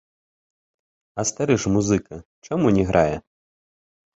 А стары ж музыка чаму не грае?